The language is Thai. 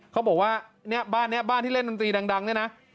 เขาบอกว่านี่บ้านนี่บ้านที่เล่นดังนี่นะ